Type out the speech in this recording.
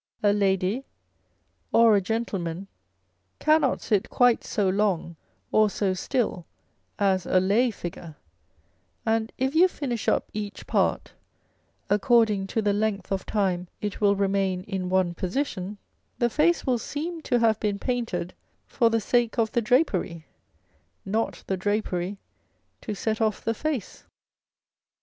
A lady or a gentleman cannot sit quite so long or so still as a lay figure, and if you finish up each part according to the length of time it will remain in one position, the face will seem to have been painted for the sake of the drapery, not the drapery to set off the face.